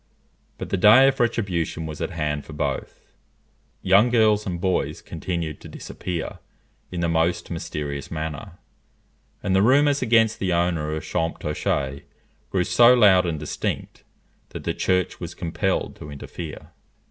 But the day of retribution was at hand for both. Young girls and boys continued to disappear in the most mysterious manner; and the rumours against the owner of Champtocé grew so loud and distinct, that the Church was compelled to interfere.